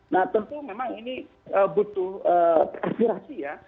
nah tentu memang ini butuh aspirasi ya